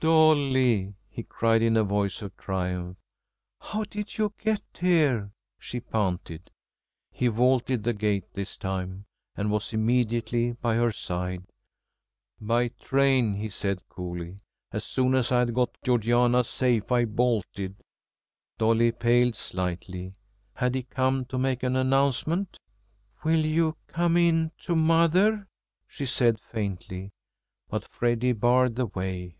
"Dolly!" he cried, in a voice of triumph. "How did you get here?" she panted. He vaulted the gate this time, and was immediately by her side. "By train," he said coolly. "As soon as I'd got Georgiana safe I bolted." Dolly paled slightly. Had he come to make an announcement? "Will you come in to mother?" she said faintly; but Freddy barred the way.